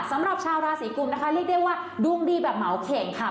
สำหรับชาวราศีกุมนะคะเรียกได้ว่าดวงดีแบบเหมาเข็งค่ะ